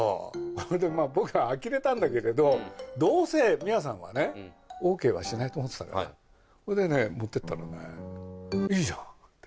それで僕はあきれたんだけれども、どうせ、宮さんはね、ＯＫはしないと思ってたから、それでね、持ってたらね、いいじゃんって。